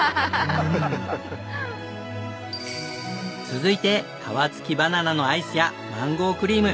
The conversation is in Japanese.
続いて皮付きバナナのアイスやマンゴークリーム。